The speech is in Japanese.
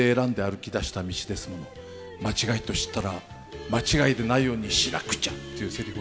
「間違いと知ったら間違いでないようにしなくちゃ」っていうセリフを。